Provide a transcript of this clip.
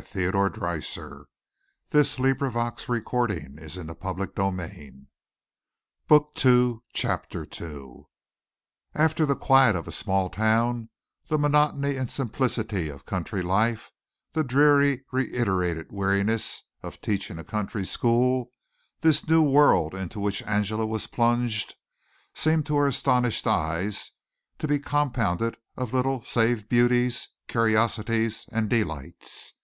Then after a time they blew out the candles and retired for the night. CHAPTER II After the quiet of a small town, the monotony and simplicity of country life, the dreary, reiterated weariness of teaching a country school, this new world into which Angela was plunged seemed to her astonished eyes to be compounded of little save beauties, curiosities and delights.